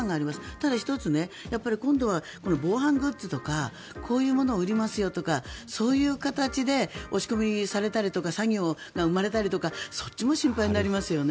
ただ、今度は防犯グッズとかこういうものを売りますよとかそういう形で押し込みされたりとか詐欺が生まれたりとかそっちも心配になりますよね。